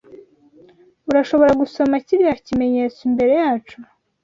Urashobora gusoma kiriya kimenyetso imbere yacu?